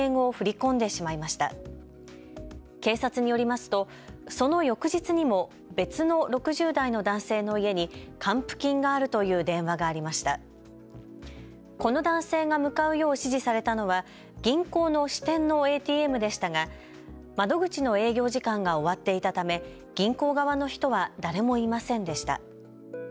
この男性が向かうよう指示されたのは銀行の支店のＡＴＭでしたが窓口の営業時間が終わっていたため銀行側の人は誰もいませんでした。